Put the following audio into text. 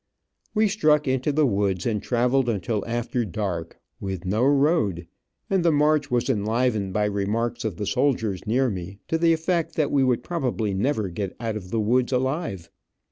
We struck into the woods, and traveled until after dark, with no road, and the march was enlivened by remarks of the soldiers near me to the effect that we would probably never get out of the woods alive.